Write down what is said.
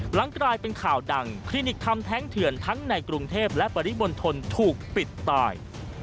หลังกลายเป็นข่าวดังคลินิกทำแท้งเถื่อนทั้งในกรุงเทพและปริมณฑลถูกปิดตาย